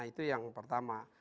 nah itu yang pertama